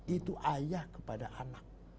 itu ayah kepada anak